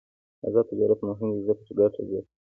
آزاد تجارت مهم دی ځکه چې ګټه زیاتوي.